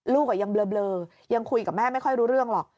ลูกยังเบลอยังคุยกับแม่ไม่ค่อยรู้เรื่องหรอก